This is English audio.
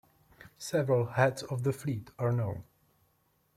Several "heads of the fleet" are known.